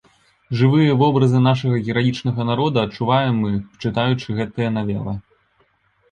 Жывыя вобразы нашага гераічнага народа адчуваем мы, чытаючы гэтыя навелы.